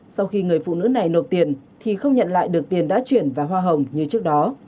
sau khi người phụ nữ này nộp tiền thì không nhận lại được tiền đã chuyển và hoa hồng như trước đó